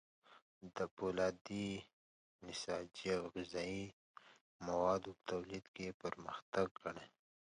د فولادو، نساجي او غذايي موادو په تولید کې یې پرمختګ کړی.